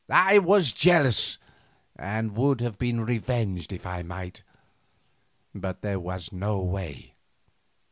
I was jealous and would have been revenged if I might, but there was no way.